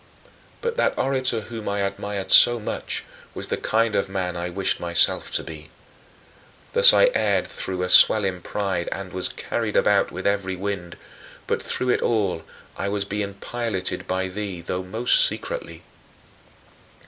23. But that orator whom I admired so much was the kind of man I wished myself to be. Thus I erred through a swelling pride and "was carried about with every wind," but through it all I was being piloted by thee, though most secretly.